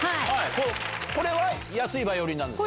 これは安いバイオリンですか？